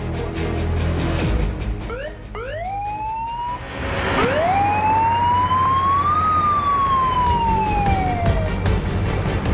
tuhan yang maha kuasa